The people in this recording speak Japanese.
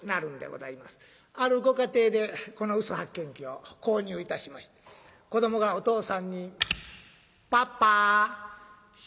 あるご家庭でこの嘘発見器を購入いたしまして子どもがお父さんに「パパ宿題できたよ」。